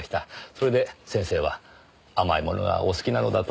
それで先生は甘いものがお好きなのだと。